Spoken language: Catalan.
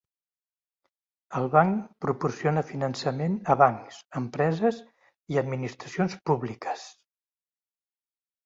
El banc proporciona finançament a bancs, empreses i administracions públiques.